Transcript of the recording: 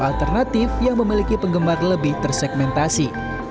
alternatif yang memiliki penggemar lebih tersegmentasi